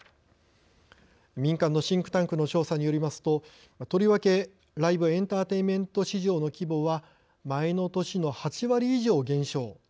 民間のシンクタンクの調査によりますととりわけライブ・エンターテインメント市場の規模は前の年の８割以上減少。